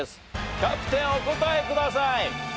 キャプテンお答えください。